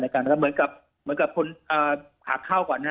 แล้วก็เหมือนกับหากเข้าก่อน